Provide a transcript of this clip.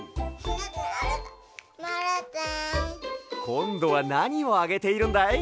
こんどはなにをあげているんだい？